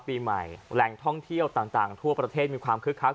ปีใหม่แหล่งท่องเที่ยวต่างทั่วประเทศมีความคึกคัก